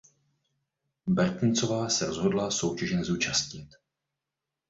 Bertensová se rozhodla soutěže nezúčastnit.